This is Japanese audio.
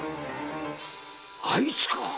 あいつか！